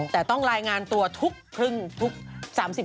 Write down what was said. แต่ต้องรายงานตัวทุกครึ่งทุก๓๐